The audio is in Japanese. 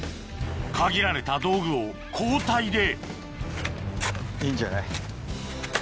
限られた道具を交代でいいんじゃない？